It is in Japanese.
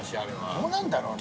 どうなんだろうね。